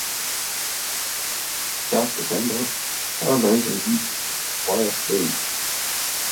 That December, Paramount announced it would acquire DreamWorks.